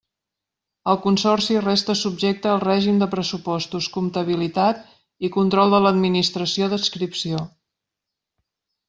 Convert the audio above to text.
El Consorci resta subjecte al règim de pressupostos, comptabilitat i control de l'Administració d'adscripció.